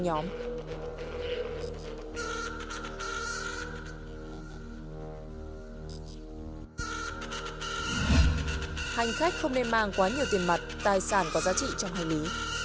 hành khách không nên mang quá nhiều tiền mặt tài sản có giá trị trong hành lý